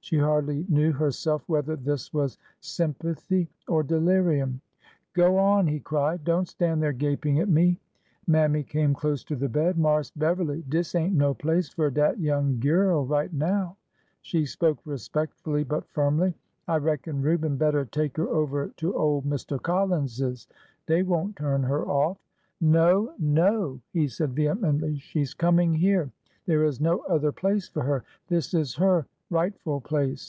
She hardly knew herself whether this was sympathy or de lirium. ''Go on 1 " he cried. " Don't stand there gaping at me !" Mammy came close to the bed. " Marse Beverly, dis ain't no place fur dat young gyurl right now." She spoke respectfully but firmly. " I reckon Reuben better take her over to ole Mr. Collins's. Dey won't turn her off." " No 1 No 1 " he said vehemently. " She 's coming here. There is no other place for her. This is her rightful place.